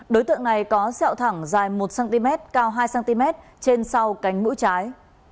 đối tượng này có dẹo thẳng dài một cm cao hai cm trên sau cánh mũ trái